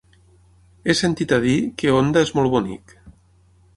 He sentit a dir que Onda és molt bonic.